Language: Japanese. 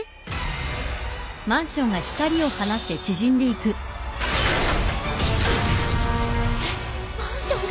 えっマンションが！？